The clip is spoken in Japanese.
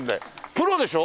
プロでしょ？